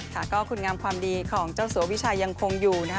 ค่ะก็คุณงามความดีของเจ้าสัววิชัยยังคงอยู่นะคะ